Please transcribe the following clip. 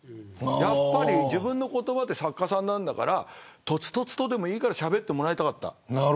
やっぱり自分の言葉で作家さんなんだからとつとつと、でもいいからしゃべってほしかった。